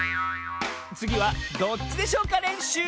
つぎは「どっちでしょうかれんしゅう」！